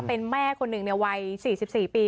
เป็นแม่คนหนึ่งในวัย๔๔ปี